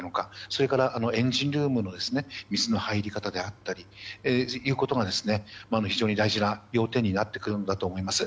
それからエンジンルームの水の入り方であったりということが非常に大事な要点になってくるんだと思います。